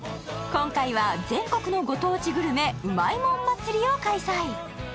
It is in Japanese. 今回は全国のご当地グルメうまいもん祭りを開催